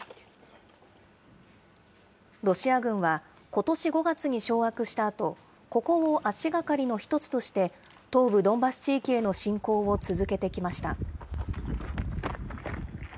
ロシア軍はことし５月に掌握したあと、ここを足がかりの１つとして、東部ドンバス地域への侵攻を続けてきました。